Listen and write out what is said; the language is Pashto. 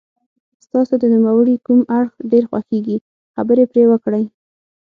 ستاسو د نوموړي کوم اړخ ډېر خوښیږي خبرې پرې وکړئ.